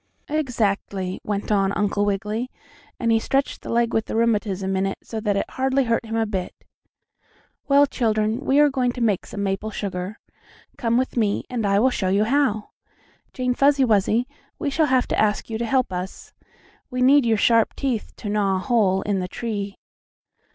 "Exactly," went on Uncle Wiggily, and he stretched the leg with the rheumatism in so that it hardly hurt him a bit. "Well, children, we are going to make some maple sugar. Come with me, and I will show you how. Jane Fuzzy Wuzzy, we shall have to ask you to help us. We need your sharp teeth to gnaw a hole in the tree."